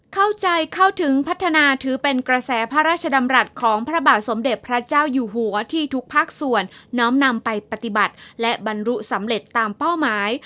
เข้าใจเข้าถึงพัฒนาถือเป็นกระแสพระราชดำรัฐของพระบาทสมเด็จพระเจ้าอยู่หัวที่ทุกภาคส่วนน้อมนำไปปฏิบัติและบรรลุสำเร็จตามเป้าหมาย